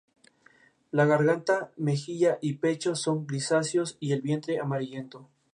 La garganta, mejilla y pecho son grisáceos y el vientre amarillento.